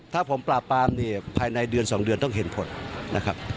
ถ้าผมปราบปรามเนี่ยภายในเดือน๒เดือนต้องเห็นผลนะครับ